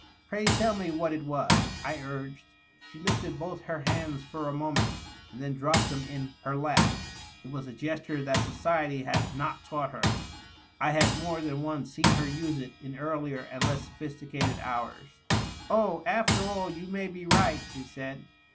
" Pray tell me what it was," I urged. She lifted both her hands for a moment, and then dropped them in DOUGLAS DUANE. 697 her lap. It was a gesture that ^' sodety^' had not taught her ; I had more than once seen her use it in earlier and less sophisticated hours. "Oh, after all you may be right/^ she said.